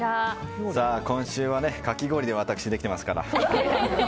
今週はかき氷で私、できてますから。